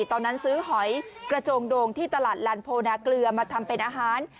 ตอนนั้นซื้อหอยกระโจงโดงที่ตลาดลันโพนาเกลือมาทำเป็นอาหาร